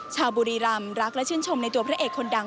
ชาวบุรีรำรักและชื่นชมในตัวพระเอกคนดัง